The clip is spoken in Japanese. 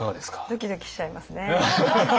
ドキドキしちゃいますね。